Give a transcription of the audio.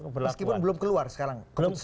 meskipun belum keluar sekarang